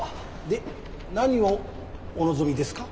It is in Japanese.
で何をお望みですか？